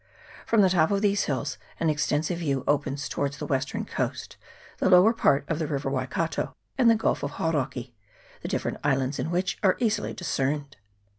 From the top of these hills an extensive view opens towards the western coast, the lower part of the river Waikato, and the Gulf of Hauraki, the different islands in which are easily discerned.